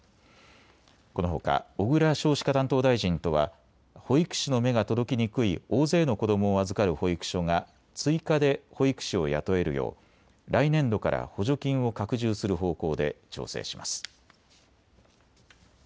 このほか小倉少子化担当大臣とは保育士の目が届きにくい大勢の子どもを預かる保育所が追加で保育士を雇えるよう来年度から補助金を拡充する方向で調整します。